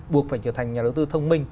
buộc phải trở thành nhà đầu tư thông minh